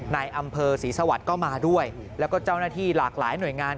ในอำเภอศรีสวรรค์ก็มาด้วยแล้วก็เจ้าหน้าที่หลากหลายหน่วยงาน